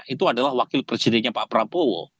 itu adalah wakil presidennya pak prabowo